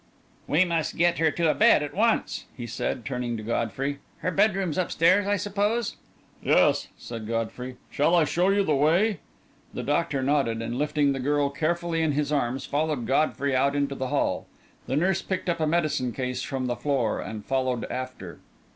"We must get her to bed at once," he said, turning to Godfrey. "Her bedroom's upstairs, I suppose?" "Yes," said Godfrey; "shall I show you the way?" The doctor nodded and, lifting the girl carefully in his arms, followed Godfrey out into the hall. The nurse picked up a medicine case from the floor and followed after.